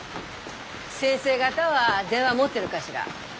先生方は電話持ってるかしら？